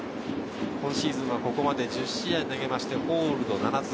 今シーズンはここまで１０試合に投げてホールド７つ。